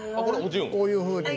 こういうふうに。